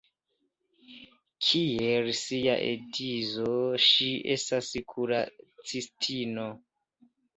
Kiel sia edzo, ŝi estas kuracistino.